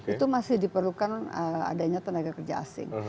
itu masih diperlukan adanya tenaga kerja asing